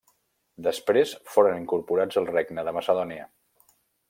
Després foren incorporats al regne de Macedònia.